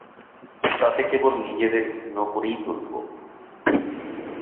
তাতে কেবল নিজেদের হীন করেই তুলব।